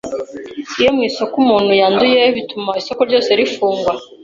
iyo mu isoko umuntu yanduye bituma isoko ryose rifungwa